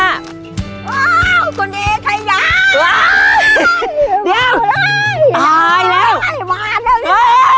อ้าวคุณดีใครย้ายอ้าวเดี๋ยวตายแล้วตายแล้ว